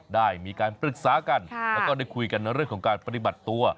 ได้มีการปรึกษากันแล้วก็ได้คุยกันเรื่องของการปฏิบัติตัว